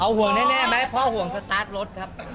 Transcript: ห่วงแน่ไหมพ่อห่วงสตาร์ทรถครับ